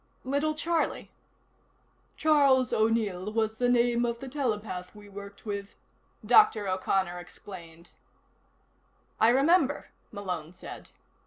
"Little Charlie?" "Charles O'Neill was the name of the telepath we worked with," Dr. O'Connor explained. "I remember," Malone said.